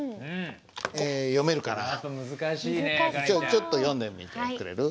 ちょっと読んでみてくれる？